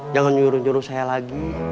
jangan nyuruh nyuruh saya lagi